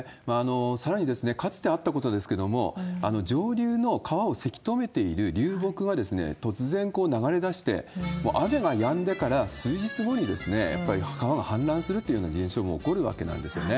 さらに、かつてあったことですけれども、上流の川をせき止めている流木が突然流れ出して、雨がやんでから数日後に、やっぱり川が氾濫するというような現象も起こるわけなんですよね。